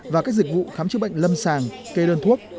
và các dịch vụ khám chữa bệnh lâm sàng kê đơn thuốc